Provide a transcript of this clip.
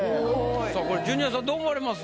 さあこれジュニアさんどう思われます？